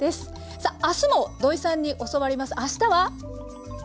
さあ明日も土井さんに教わります。